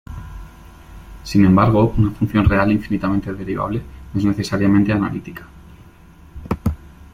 Sin embargo, una función real infinitamente derivable no es necesariamente analítica.